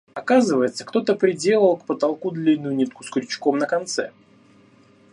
Оказывается, кто-то приделал к потолку длинную нитку с крючком на конце.